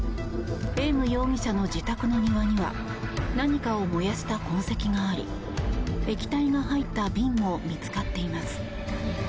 エーム容疑者の自宅の庭には何かを燃やした痕跡があり液体が入った瓶も見つかっています。